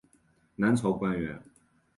南朝官员。